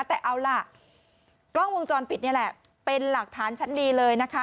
แต่เอาล่ะกล้องวงจรปิดนี่แหละเป็นหลักฐานชั้นดีเลยนะคะ